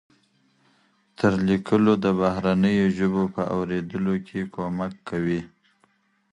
تر لیکلو د بهرنیو ژبو په اورېدلو کې کومک کوي.